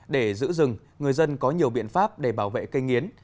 để giữ rừng người dân có nhiều biện pháp để bảo vệ cây nghiến